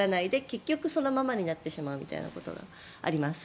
結局、そのままになってしまうみたいなことがあります。